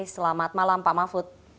selamat malam pak mahfud